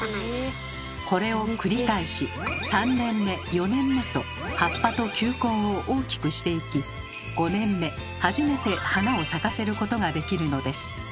これを繰り返し３年目４年目と葉っぱと球根を大きくしていき５年目初めて花を咲かせることができるのです。